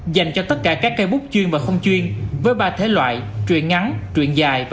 dành cho tất cả các cây bút chuyên và không chuyên với ba thế loại truyện ngắn truyện dài